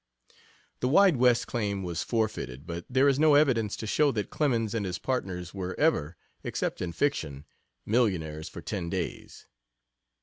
The "Wide West" claim was forfeited, but there is no evidence to show that Clemens and his partners were ever, except in fiction, "millionaires for ten days."